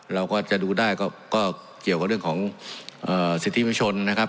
เราก็จะดูได้ก็เกี่ยวกับเรื่องของสิทธิวิชนนะครับ